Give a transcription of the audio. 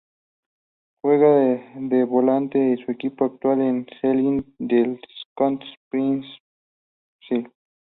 Juega de volante y su equipo actual es el Celtic de la Scottish Premiership.